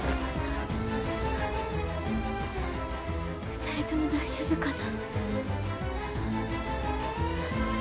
２人とも大丈夫かな。